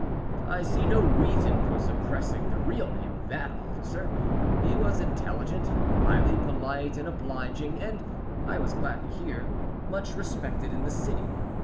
I see no reason for suppressing the real name of that officer. He was intelligent, highly polite, and obliging, and (I was glad to hear) much respected in the City.